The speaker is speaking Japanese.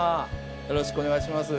よろしくお願いします